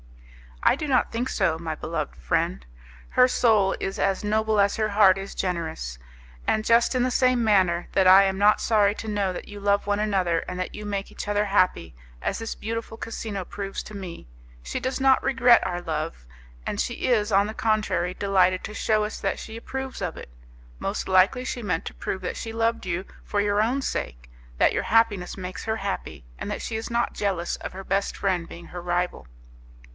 "I do not think so, my beloved friend. Her soul is as noble as her heart is generous; and just in the same manner that I am not sorry to know that you love one another and that you make each other happy, as this beautiful casino proves to me, she does not regret our love, and she is, on the contrary, delighted to shew us that she approves of it. Most likely she meant to prove that she loved you for your own sake, that your happiness makes her happy, and that she is not jealous of her best friend being her rival.